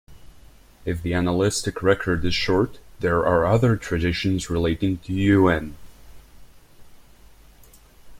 If the annalistic record is short, there are other traditions relating to Uuenn.